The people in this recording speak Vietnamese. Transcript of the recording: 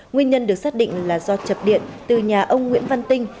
nguyên nhân được xác định là do chập điện từ nhà ông nguyễn văn tinh